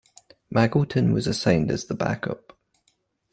Magilton was assigned as the back-up.